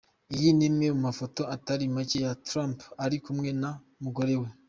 Iyi ni imwe mu mafoto atari make ya Trump ari kumwe n’ umugore we.